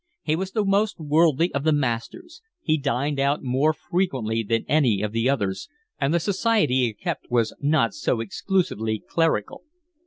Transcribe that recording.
He was the most worldly of the masters; he dined out more frequently than any of the others, and the society he kept was not so exclusively clerical.